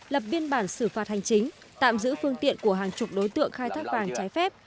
lập biên bản xử phạt hành chính tạm giữ phương tiện của hàng chục đối tượng khai thác vàng trái phép